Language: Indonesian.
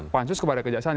pansus kepada kejaksaan